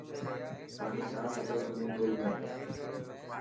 پاڻي صاف هتو سومنگپول ۾.